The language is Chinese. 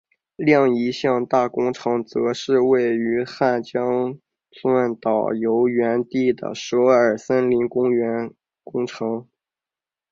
另一项大工程则是位于汉江纛岛游园地的首尔森林公园工程。